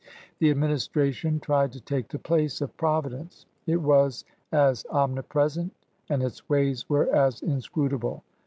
The Administration tried to take the place of Providence. It was as omnipresent and its ways were as inscrutable.